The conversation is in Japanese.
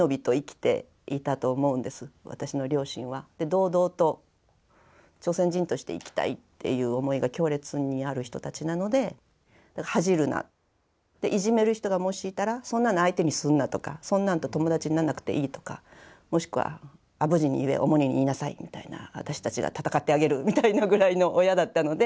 堂々と朝鮮人として生きたいっていう思いが強烈にある人たちなので恥じるないじめる人がもしいたらそんなの相手にするなとかそんなんと友達にならなくていいとかもしくはアボジに言えオモニに言いなさいみたいな私たちが戦ってあげるみたいなぐらいの親だったので。